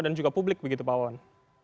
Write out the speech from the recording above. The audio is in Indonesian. dan juga publik begitu pak wawan